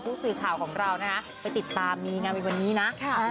ผู้สื่อข่าวของเรานะไปติดตามนี้งานบนนี้นะ